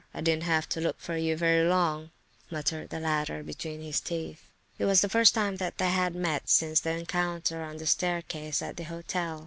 I didn't have to look for you very long," muttered the latter between his teeth. It was the first time they had met since the encounter on the staircase at the hotel.